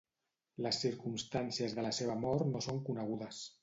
Les circumstàncies de la seva mort no són conegudes.